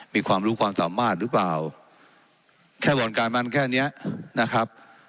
มีความรู้ความสามารถหรือเปล่าแค่วงการมันแค่เนี้ยนะครับ